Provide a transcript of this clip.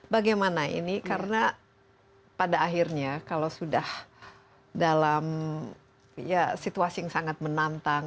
bagaimana ini karena pada akhirnya kalau sudah dalam ya situasi yang sangat menantang